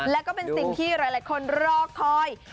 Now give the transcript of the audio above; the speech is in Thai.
แล้วก็เป็นสิ่งที่หลายคนรอคอย